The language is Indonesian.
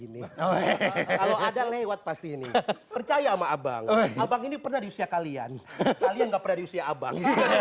tidak suka sih arahan